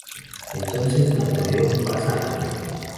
Entonces Napoleón pasa al ataque.